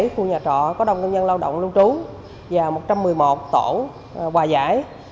khu nhà trọ có đông công nhân lao động lưu trú và một trăm một mươi một tổ quà giải